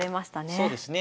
そうですね。